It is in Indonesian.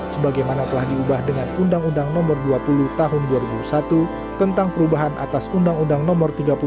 sebagaimana telah diubah dengan undang undang nomor dua puluh tahun dua ribu satu tentang perubahan atas undang undang no tiga puluh dua